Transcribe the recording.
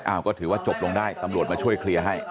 ก็ถือว่าจบลงได้ตำรวจมาช่วยเคลียร์ให้